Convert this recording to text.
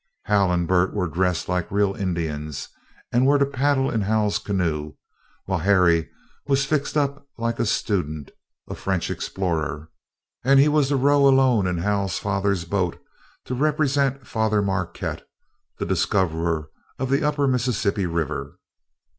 Hal and Bert were dressed like real Indians, and were to paddle in Hal's canoe, while Harry was fixed up like a student, a French explorer, and he was to row alone in Hal's father's boat, to represent Father Marquette, the discoverer of the upper Mississippi River.